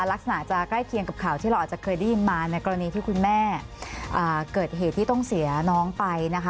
ลักษณะจะใกล้เคียงกับข่าวที่เราอาจจะเคยได้ยินมาในกรณีที่คุณแม่เกิดเหตุที่ต้องเสียน้องไปนะคะ